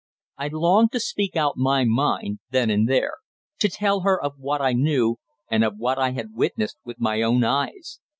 I longed to speak out my mind then and there; to tell her of what I knew, and of what I had witnessed with my own eyes.